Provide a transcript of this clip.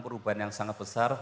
perubahan yang sangat besar